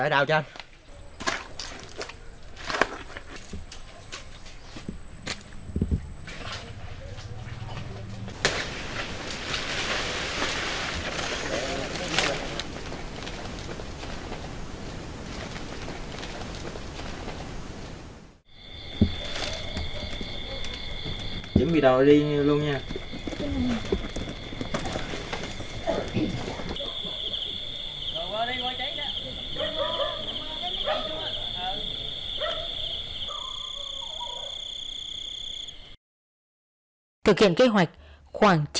đi ra đường